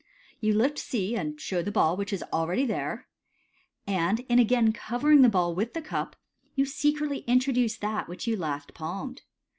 M You lift C, and show the ball which is already there ; and in again covering the ball with the cup, you secretly introduce that which you last palmed.